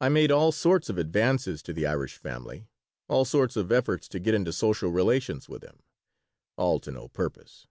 I made all sorts of advances to the Irish family, all sorts of efforts to get into social relations with them, all to no purpose.